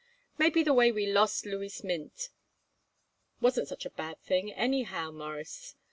Maybe the way we lost Louis Mintz wasn't such a bad thing anyhow, Mawruss.